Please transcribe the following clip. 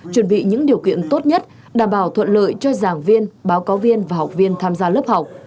chuẩn bị những điều kiện tốt nhất đảm bảo thuận lợi cho giảng viên báo cáo viên và học viên tham gia lớp học